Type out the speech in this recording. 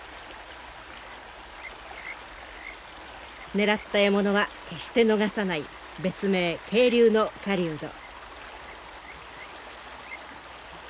狙った獲物は決して逃さない別名渓流の狩人。